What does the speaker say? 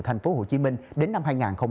tp hcm đến năm hai nghìn hai mươi năm